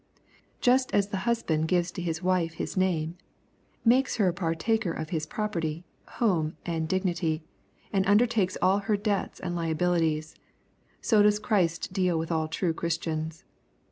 Just as the husband gives to his wife his name, makes her partaker of his property, home, and dignity, and undertakes all her debts and liabilities, so does Christ deal with all true Christians.